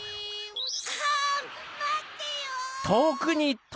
あんまってよ！